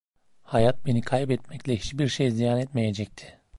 Hayat beni kaybetmekle hiçbir şey ziyan etmeyecekti.